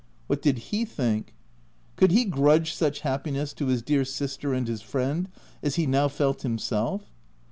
What did he think ? Could he grudge such happiness to his dear sister and his friend as he now felt himself?